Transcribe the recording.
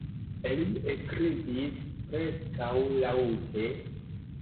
Li ekridis preskaŭ laŭte.